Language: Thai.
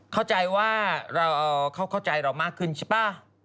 เข้าใจว่าเราเข้าใจเรามากขึ้นใช่ป่ะ